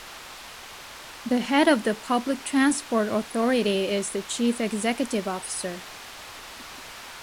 The head of the Public Transport Authority is the Chief Executive Officer.